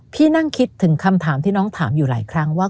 พี่นั่งคิดถึงคำถามที่น้องถามอยู่หลายครั้งว่า